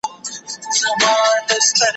هغه څوک چي کارونه کوي قوي وي